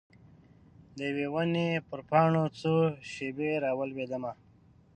د یوي ونې پر پاڼو څو شیبې را اوریدمه